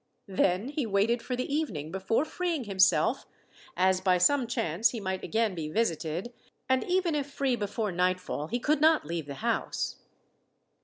Then he waited for the evening before freeing himself, as by some chance he might again be visited, and even if free before nightfall he could not leave the house.